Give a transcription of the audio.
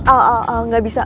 oh oh oh gak bisa